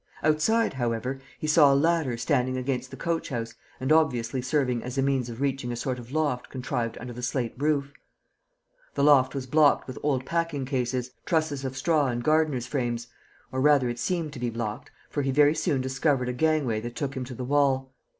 Outside, however, he saw a ladder standing against the coach house and obviously serving as a means of reaching a sort of loft contrived under the slate roof. The loft was blocked with old packing cases, trusses of straw and gardener's frames, or rather it seemed to be blocked, for he very soon discovered a gangway that took him to the wall.